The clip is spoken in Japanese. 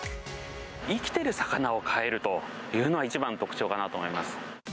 生きてる魚を買えるというのは、一番の特徴かなと思います。